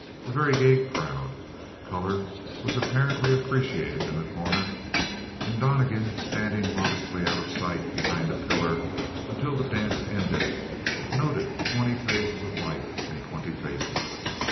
A very gay crowd; color was apparently appreciated in The Corner. And Donnegan, standing modestly out of sight behind a pillar until the dance ended, noted twenty phases of life in twenty faces.